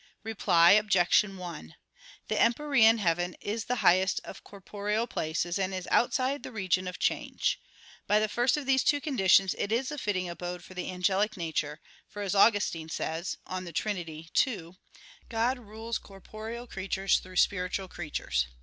Reply Obj. 1: The empyrean heaven is the highest of corporeal places, and is outside the region of change. By the first of these two conditions, it is a fitting abode for the angelic nature: for, as Augustine says (De Trin. ii), "God rules corporeal creatures through spiritual creatures."